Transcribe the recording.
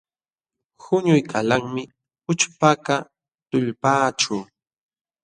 Qunuykanlaqmi ućhpakaq tullpaaćhu.